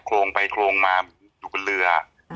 โคลงไปโคลงมาดูเป็นเรือ